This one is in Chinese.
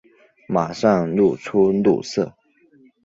马上露出怒色